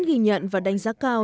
ghi nhận và đánh giá cao